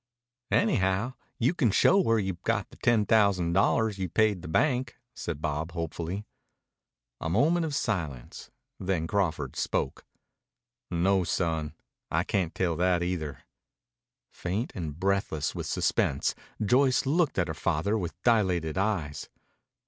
"Anyhow, you can show where you got the ten thousand dollars you paid the bank," said Bob hopefully. A moment of silence; then Crawford spoke. "No, son, I cayn't tell that either." Faint and breathless with suspense, Joyce looked at her father with dilated eyes.